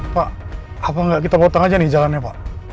pak apa nggak kita gotong aja nih jalannya pak